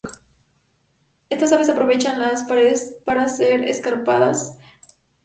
Estas aves aprovechan las paredes más escarpadas para realizar sus nidos.